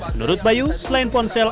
menurut bayu selain ponsel